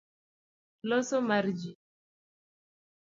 Loso mar ji.